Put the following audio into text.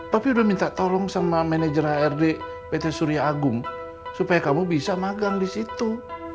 tapi udah minta tolong sama manajer hrd pt surya agung supaya kamu bisa magang di situ